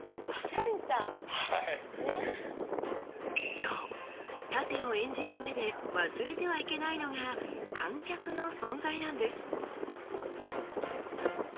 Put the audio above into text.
そう殺陣を演じるうえで忘れてはいけないのが観客の存在なんです。